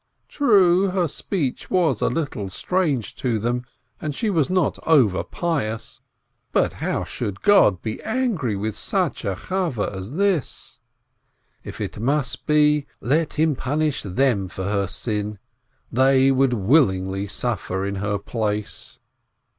True, her speech was a little strange to them, and she was not overpious, but how should God be angry with such a Chavveh as this? If it must be, let him punish them for her sin; they would willingly suffer in her place.